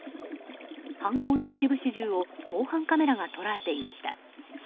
犯行の一部始終を防犯カメラが捉えていました。